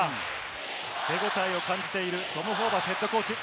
手応えを感じているトム・ホーバスＨＣ。